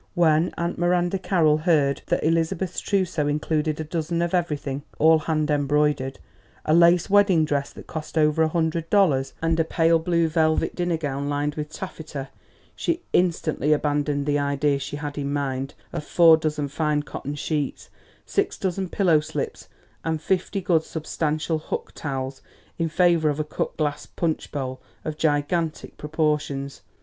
When Aunt Miranda Carroll heard that Elizabeth's trousseau included a dozen of everything (all hand embroidered), a lace wedding dress that cost over a hundred dollars and a pale blue velvet dinner gown lined with taffeta, she instantly abandoned the idea she had in mind of four dozen fine cotton sheets, six dozen pillow slips and fifty good, substantial huck towels in favour of a cut glass punch bowl of gigantic proportions.